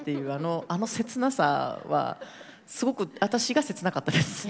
あの切なさはすごく私が切なかったです。